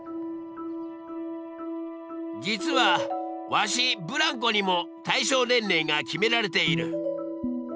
実はワシブランコにも対象年齢が決められている。